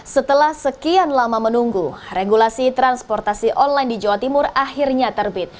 setelah sekian lama menunggu regulasi transportasi online di jawa timur akhirnya terbit